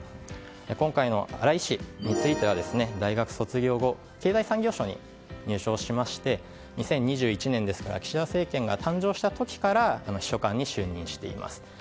今回の荒井氏については大学卒業後経済産業省に入省しまして２０２１年ですから岸田政権が誕生した時から秘書官に就任しています。